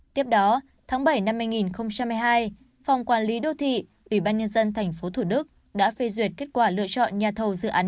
tiếp đó tháng bảy năm hai nghìn hai mươi hai phòng quản lý đô thị ủy ban nhân dân tp thủ đức đã phê duyệt kết quả lựa chọn nhà thầu dự án